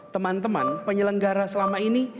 teman teman penyelenggara selama ini